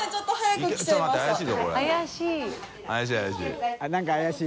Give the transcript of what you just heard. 靴怪しい。